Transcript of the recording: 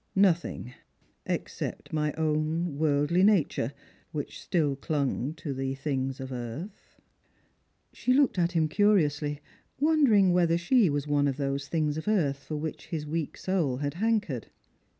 " Nothing, except my own worldly nature, which still clung to the things of earth." She looked at him curiously, wondering whether she was one of those things of earth for which his weak soul had hankered.